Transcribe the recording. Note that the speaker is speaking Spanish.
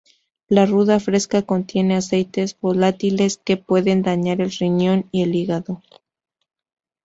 La ruda fresca contiene aceites volátiles que pueden dañar el riñón y el hígado.